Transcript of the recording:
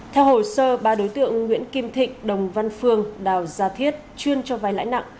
theo hồ sơ ba đối tượng nguyễn kim thịnh đồng văn phương đào gia thiết chuyên cho vai lãi nặng